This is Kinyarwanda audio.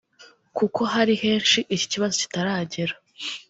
kuko hari henshi iki kibazo kitaragera